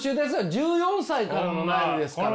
１４歳からの悩みですから。